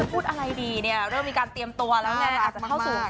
ไปไหนครับอยากไปไหนลูก